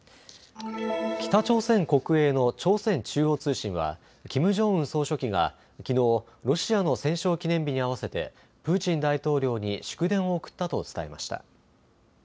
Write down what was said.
北朝鮮国営の朝鮮中央通信はキム・ジョンウン総書記がきのうロシアの戦勝記念日に合わせてプーチン大統領に祝電を送ったと伝えました。